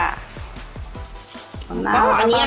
อันนี้ค่ะ